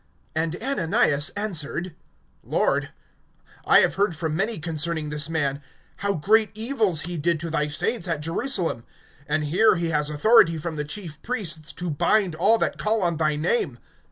(13)And Ananias answered: Lord, I have heard from many concerning this man, how great evils he did to thy saints at Jerusalem. (14)And here he has authority from the chief priests to bind all that call on thy name.